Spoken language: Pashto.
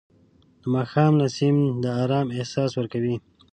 د ماښام نسیم د آرام احساس ورکوي